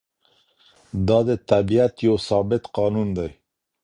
دا د طبیعت یو ثابت قانون دی.